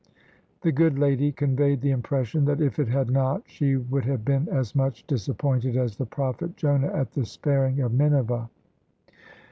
The good lady conveyed the impression that if it had not, she would have been as much disappointed as the prophet Jonah at the sparing of Nineveh.